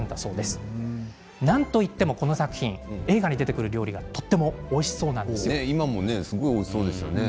なんといっても、この作品料理がとてもおいしそうなんです。